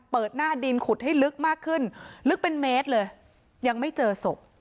หน้าดินขุดให้ลึกมากขึ้นลึกเป็นเมตรเลยยังไม่เจอศพ